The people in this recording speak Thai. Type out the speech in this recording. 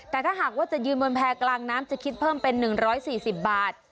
แต่ถ้าหากว่าจะยืนบนแพร่กลางน้ำจะคิดเพิ่มเป็น๑๔๐บาท